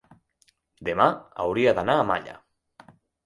demà hauria d'anar a Malla.